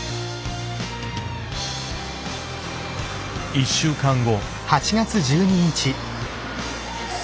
１週間後。